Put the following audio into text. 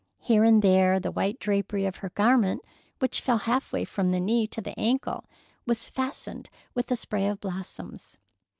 Here and there the white drapery of her garment, which fell half way from the knee to the ankle, was fastened with a spray of blossoms.